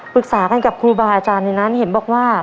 ปรึกษากันกับครูบาอาจารย์ในนั้นเห็นบอกว่า